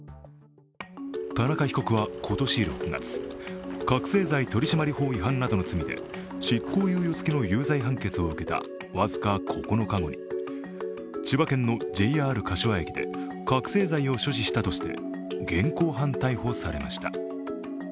田中被告は今年６月、覚醒剤取締法違反などの罪で執行猶予付きの有罪判決を受けた僅か９日後に千葉県のＪＲ柏駅で覚醒剤を所持したとして現行犯逮捕されました。